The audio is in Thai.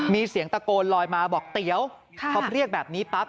มีเสียงตะโกนลอยมาบอกเตี๋ยวพอเรียกแบบนี้ปั๊บ